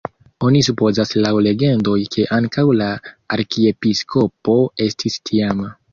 Oni supozas laŭ legendoj, ke ankaŭ la arkiepiskopo estis tiama.